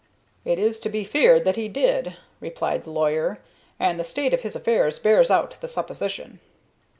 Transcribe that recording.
"It is to be feared that he did," replied the lawyer, "and the state of his affairs bears out the supposition."